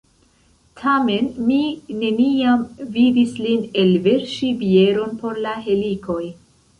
Tamen mi neniam vidis lin elverŝi bieron por la helikoj.